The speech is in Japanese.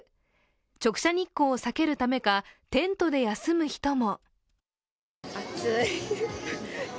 直射日光を避けるためかテントで休む人も。